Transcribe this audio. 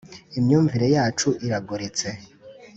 imyumvire yacu iragoretse.